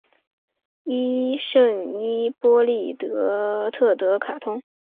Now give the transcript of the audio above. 圣伊波利特德卡通。